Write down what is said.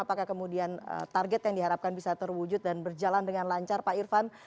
apakah kemudian target yang diharapkan bisa terwujud dan berjalan dengan lancar pak irfan